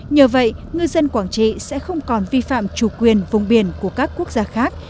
nhờ vậy ngư dân quảng trị sẽ không còn vi phạm chủ quyền vùng biển của các quốc gia khác